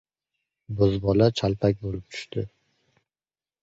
Bo‘zbola chalpak bo‘lib tushdi.